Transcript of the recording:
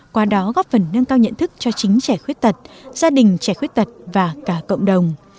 qua đó góp phần nâng cao nhận thức cho chính trẻ khuyết tật gia đình trẻ khuyết tật và cả cộng đồng